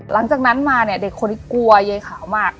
หลังจากนั้นมาเนี่ยเด็กคนนี้กลัวยายขาวมาก